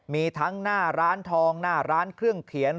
มีทั้งหน้าร้านทองหน้าร้านเครื่องเขียน